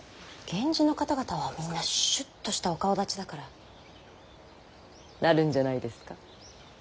源氏の方々はみんなシュッとしたお顔だちだからなるんじゃないですか。